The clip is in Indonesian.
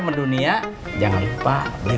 mendunia jangan lupa beli